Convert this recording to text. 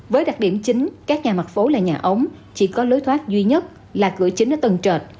với đặc điểm chính các nhà mặt phố là nhà ống chỉ có lối thoát duy nhất là cửa chính ở tầng trệt